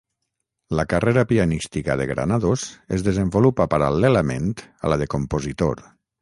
La carrera pianística de Granados es desenvolupa paral·lelament a la de compositor.